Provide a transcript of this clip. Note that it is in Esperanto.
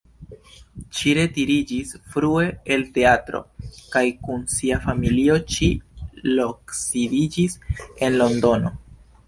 Ŝi retiriĝis frue el teatro kaj kun sia familio ŝi loksidiĝis en Londono.